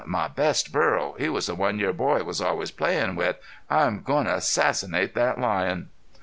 My best burro. He was the one your boy was always playin' with. I'm goin' to assassinate thet lion."